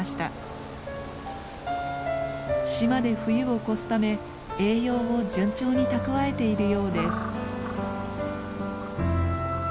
島で冬を越すため栄養を順調に蓄えているようです。